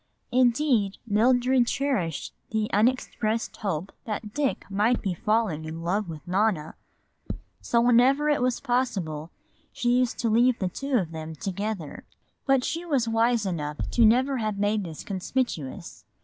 Indeed, Mildred cherished the unexpressed hope that Dick might be falling in love with Nona. So whenever it was possible she used to leave the two of them together. But she was wise enough never to have made this conspicuous.